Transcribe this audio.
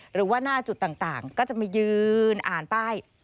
หรือว่าหน้าจุดต่างก็จะมายืนอ่านป้าย